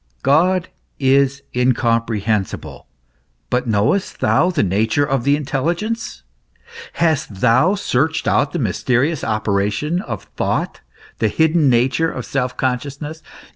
God is incomprehensible ; GOD AS A BEING OF THE UNDERSTANDING. 35 but knowest thou the nature of the intelligence ? Hast thou searched out the mysterious operation of thought, the hidden nature of self consciousness